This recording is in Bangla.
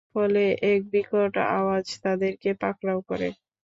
ফলে এক বিকট আওয়াজ তাদেরকে পাকড়াও করে।